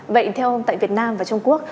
vậy theo ông tại việt nam và trung quốc